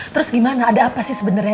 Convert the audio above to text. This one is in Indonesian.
terus gimana ada apa sih sebenarnya